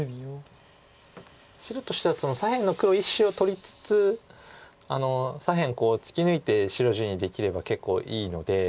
白としては左辺の黒１子を取りつつ左辺突き抜いて白地にできれば結構いいので。